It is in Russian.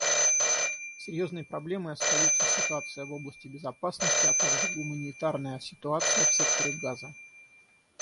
Серьезной проблемой остаются ситуация в области безопасности, а также гуманитарная ситуация в секторе Газа.